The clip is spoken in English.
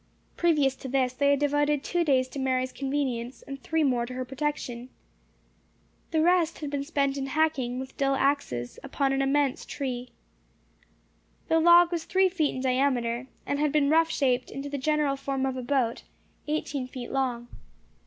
Previous to this, they had devoted two days to Mary's convenience, and three more to her protection. The rest had been spent in hacking, with dull axes, upon an immense tree. The log was three feet in diameter, and had been rough shaped into the general form of a boat, eighteen feet long.